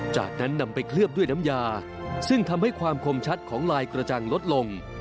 จากนั้นนำไปเคลือบด้วยน้ำยาซึ่งทำให้ความคมชัดของลายกระจังลดลง